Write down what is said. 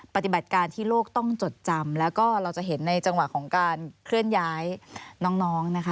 ปฏิบัติการที่โลกต้องจดจำแล้วก็เราจะเห็นในจังหวะของการเคลื่อนย้ายน้องนะคะ